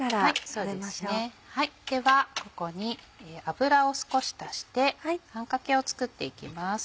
ではここに油を少し足してあんかけを作っていきます。